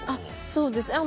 そうです。